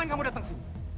kenapa kamu datang ke sini